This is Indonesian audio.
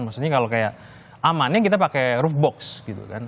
maksudnya kalau kayak aman ya kita pakai roof box gitu kan